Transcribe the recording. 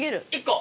１個。